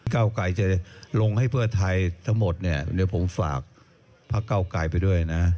เก้าไกรจะลงให้เพื่อไทยทั้งหมดเนี่ยเดี๋ยวผมฝากพักเก้าไกลไปด้วยนะ